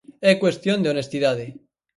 É cuestión de honestidade.